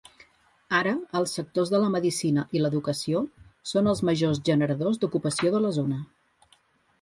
Ara els sectors de la medicina i l'educació són els majors generadors d'ocupació de la zona.